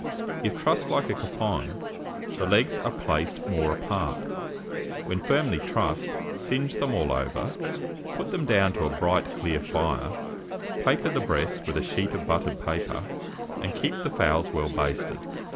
If trussed like a capon, the legs are placed more apart. When firmly trussed, singe them all over; put them down to a bright clear fire, paper the breasts with a sheet of buttered paper, and keep the fowls well basted.